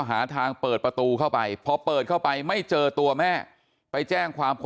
หาทางเปิดประตูเข้าไปพอเปิดเข้าไปไม่เจอตัวแม่ไปแจ้งความคน